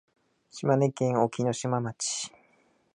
島根県隠岐の島町